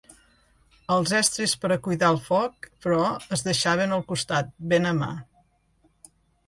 Els estris per a cuidar el foc, però, es deixaven al costat, ben a mà.